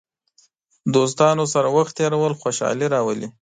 دوستانو سره وخت تېرول خوشحالي راولي.